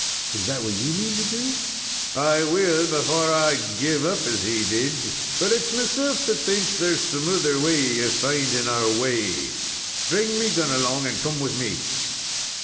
"Is that what you mean to do?" "I will, before I'd give up as he did; but it's meself that thinks there's some other way of finding our way. Bring me gun along, and come with me!"